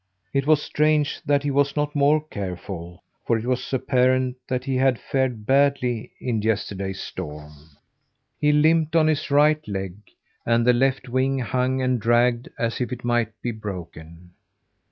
It was strange that he was not more careful, for it was apparent that he had fared badly in yesterday's storm. He limped on his right leg, and the left wing hung and dragged as if it might be broken.